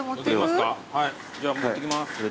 じゃあ持っていきます。